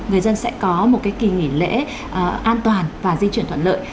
người dân sẽ có một kỳ nghỉ lễ an toàn và di chuyển thuận lợi